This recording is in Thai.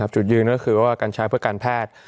จุดยืนก็คือว่าการใช้เพื่อการแพทย์